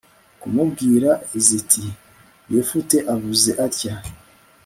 kumubwira ziti yefute avuze atya